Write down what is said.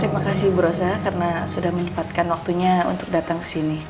terima kasih bu roza karena sudah menyempatkan waktunya untuk datang ke sini